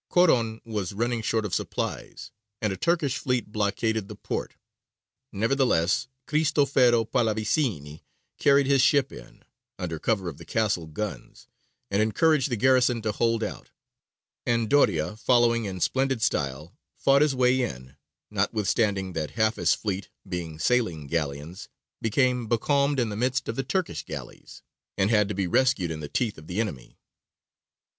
Coron was running short of supplies, and a Turkish fleet blockaded the port. Nevertheless Cristofero Pallavicini carried his ship in, under cover of the castle guns, and encouraged the garrison to hold out; and Doria, following in splendid style, fought his way in, notwithstanding that half his fleet, being sailing galleons, became becalmed in the midst of the Turkish galleys, and had to be rescued in the teeth of the enemy.